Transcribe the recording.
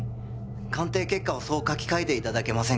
鑑定結果をそう書き換えて頂けませんか。